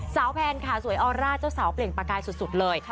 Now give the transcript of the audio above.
แพนค่ะสวยออร่าเจ้าสาวเปล่งประกายสุดเลย